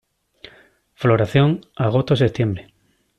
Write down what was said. Floración: agosto-septiembre.